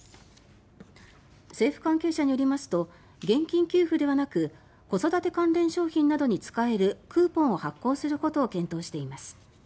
政府関係者によりますと現金給付ではなく子育て関連商品などに使えるクーポンを発行することを検討しています。